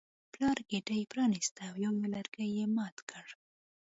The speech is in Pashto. پلار ګېډۍ پرانیسته او یو یو لرګی یې مات کړ.